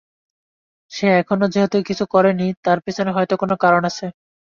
সে এখনও যেহেতু কিছু করে নি, তার পেছনে হয়তো কোন কারন আছে।